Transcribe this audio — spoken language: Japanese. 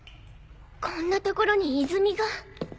こんな所に泉が。